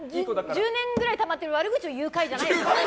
１０年くらいたまってる悪口を言う会じゃない？